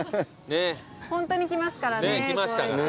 ホントに来ますからね。